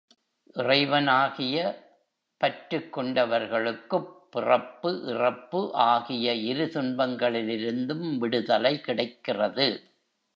இறைவனாகிய பற்றுக்கொண்டவர்களுக்குப் பிறப்பு, இறப்பு ஆகிய இரு துன்பங்களிலிருந்தும் விடுதலை கிடைக்கிறது.